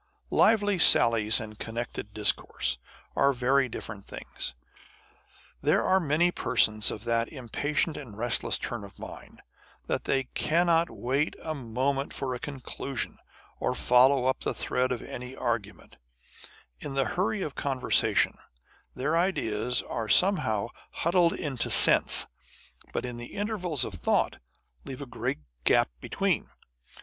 Lively sallies and connected discourse are very diffe rent things. There are many persons of that impatient and restless turn of mind, that they cannot wait a moment for a conclusion, or follow up the thread of any argument 52 On the Conversation of Authors. In the hurry of conversation their ideas are somehow huddled into sense ; but in the intervals of thought, leave a great gap between.